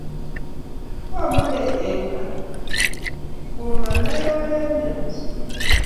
Kwamande eng' kaa komanai oret neasupi